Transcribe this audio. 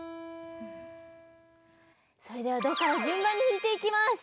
それではドからじゅんばんにひいていきます。